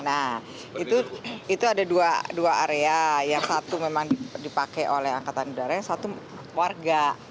nah itu ada dua area yang satu memang dipakai oleh angkatan udara yang satu warga